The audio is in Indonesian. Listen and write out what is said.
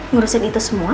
ngurusin itu semua